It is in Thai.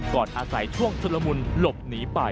ก่อนอาศัยช่วงสรมลมลบหนีไป